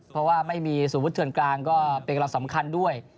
เพราะว่าไม่มีศูนย์ฟุตเถิลกลางก็เป็นกำลังสำคัญด้วย